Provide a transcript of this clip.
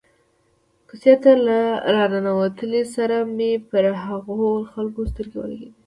کوڅې ته له را ننوتلو سره مې پر هغو خلکو سترګې ولګېدې.